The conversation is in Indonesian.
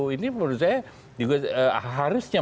ini menurut saya juga harusnya